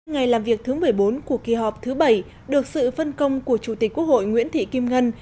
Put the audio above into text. ngày làm việc thứ một mươi bốn của kỳ họp thứ bảy được sự phân công của chủ tịch quốc hội nguyễn thị kim ngân